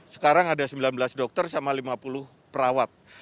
sekarang ada sembilan belas dokter sama lima puluh perawat